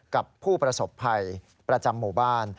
กับผู้ประสบภัยประจำหมู่บ้าน